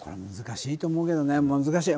難しいと思うけどね。